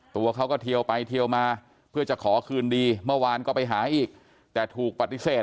ตัวเขาก็เทียวไปเทียวมาเพื่อจะขอคืนดีเมื่อวานก็ไปหาอีกแต่ถูกปฏิเสธ